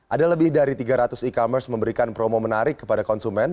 ada lebih dari tiga ratus e commerce memberikan promo menarik kepada konsumen